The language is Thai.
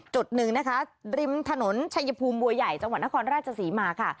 จุดหนึ่งนะคะริมถนนชัยภูมิบัวใหญ่จังหวัดนครราชศรีมาค่ะ